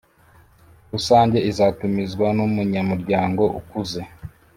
rusange izatumizwa n umunyamuryango ukuze